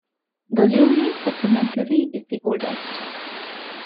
The "Leonine Sacramentary" is the oldest.